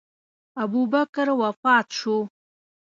ابوبکر وفات شو.